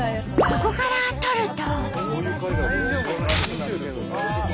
ここから撮ると。